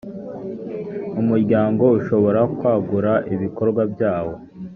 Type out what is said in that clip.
umuryango ushobora kwagura ibikorwa byawo